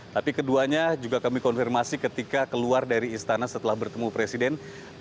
tapi keduanya juga kami konfirmasi ketika keluar dari istana setelah bertemu presiden